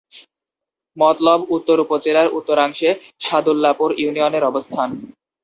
মতলব উত্তর উপজেলার উত্তরাংশে সাদুল্লাপুর ইউনিয়নের অবস্থান।